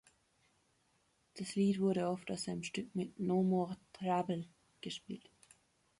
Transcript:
Das Lied wurde oft aus einem Stück mit "No More Trouble" gespielt.